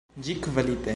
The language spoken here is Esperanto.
Ĝi kvalite.